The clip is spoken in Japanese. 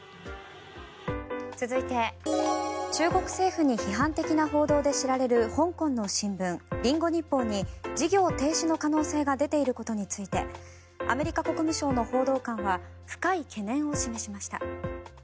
続いて中国政府に批判的な報道で知られる香港の新聞、リンゴ日報に事業停止の可能性が出ていることについてアメリカ国務省の報道官は深い懸念を示しました。